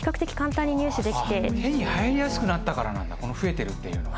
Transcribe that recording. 手に入りやすくなったからなんだこの増えてるっていうのは。